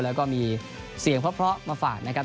แล้วก็มีเสียงเพราะมาฝากนะครับ